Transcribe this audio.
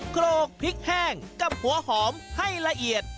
โกรกพริกแห้งกับหัวหอมให้ละเอียด